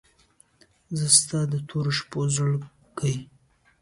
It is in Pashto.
زه ستا دتوروتپوشپوپه زړه کې